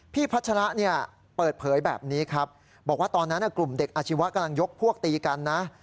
พัชระเนี่ยเปิดเผยแบบนี้ครับบอกว่าตอนนั้นกลุ่มเด็กอาชีวะกำลังยกพวกตีกันนะ